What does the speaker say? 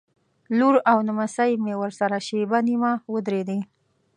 لور او نمسۍ مې ورسره شېبه نیمه ودرېدې.